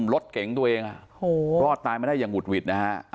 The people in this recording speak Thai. รถเก๋งตัวเองรอดตายมาได้อย่างหุดหวิดนะฮะ